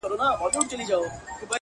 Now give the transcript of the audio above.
• نن به دي سېل د توتکیو تر بهاره څارې ,